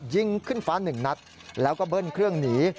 ยิงขึ้นฟ้าหนึ่งนัดแล้วก็เบิ้ลเครื่องหนี